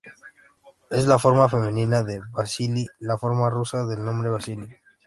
Es la forma femenina de "Vasili", la forma rusa del nombre Basilio.